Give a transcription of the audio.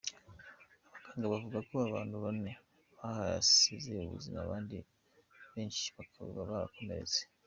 Abaganga bavuga ko abantu bane bahasize ubuzima, abandi benshi bakaba barakomeretse.